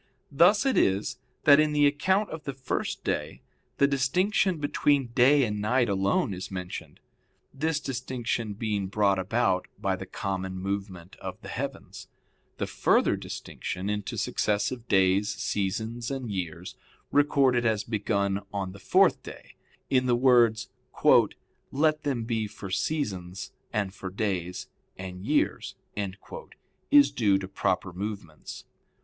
Thus it is, that in the account of the first day the distinction between day and night alone is mentioned; this distinction being brought about by the common movement of the heavens. The further distinction into successive days, seasons, and years recorded as begun on the fourth day, in the words, "let them be for seasons, and for days, and years" is due to proper movements.